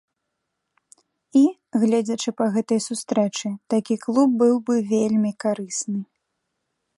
І, гледзячы па гэтай сустрэчы, такі клуб быў бы вельмі карысны.